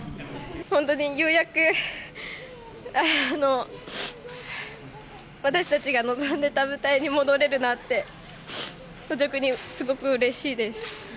本当にようやく、私たちが望んでた舞台に戻れるなんて、率直にすごくうれしいです。